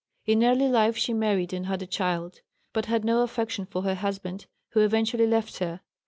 In early life she married and had a child, but had no affection for her husband, who eventually left her.